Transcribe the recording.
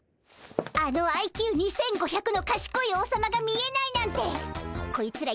あのＩＱ２，５００のかしこい王様が見えないなんてこいつら